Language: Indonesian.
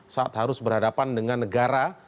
saat harus berhadapan dengan negara